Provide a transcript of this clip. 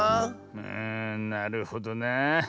うんなるほどなあ。